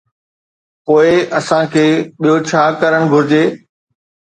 پوءِ اسان کي ٻيو ڇا ڪرڻ گهرجي؟